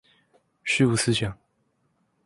虛無思想